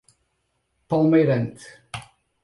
Palmeirante